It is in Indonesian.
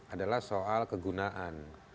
adalah soal kegunaan